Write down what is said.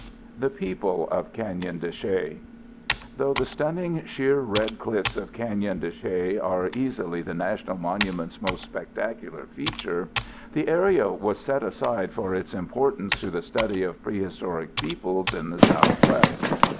] The People of Canyon de Chelly Though the stunning sheer red cliffs of Canyon de Chelly are easily the national monument's most spectacular feature, the area was set aside for its importance to the study of prehistoric peoples in the Southwest.